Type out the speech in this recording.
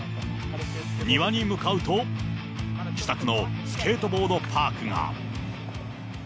庭に向かうと、自作のスケートボードパークが。